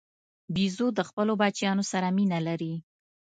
بیزو د خپلو بچیانو سره مینه لري.